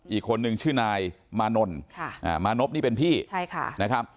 อีกคนนึงชื่อนายมานนมานพนี่เป็นพี่ใช่ค่ะนะครับ